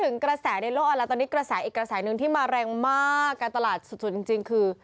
กระแสในโลกออนไลน์ตอนนี้กระแสอีกกระแสหนึ่งที่มาแรงมากการตลาดสุดจริงคือ